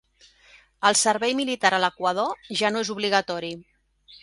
El Servei Militar a l'Equador ja no és obligatori.